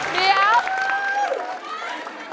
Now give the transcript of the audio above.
เดี๋ยว